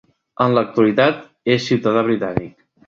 En l'actualitat, és ciutadà britànic.